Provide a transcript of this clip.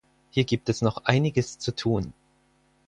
Hier gibt es noch einiges zu tun.